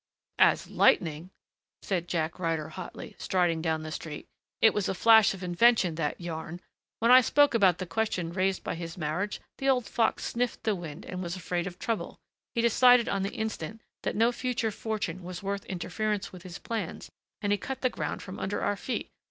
"As lightning," said Jack Ryder hotly, striding down the street. "It was a flash of invention, that yarn. When I spoke about the questions raised by his marriage the old fox sniffed the wind and was afraid of trouble he decided on the instant that no future fortune was worth interference with his plans, and he cut the ground from under our feet....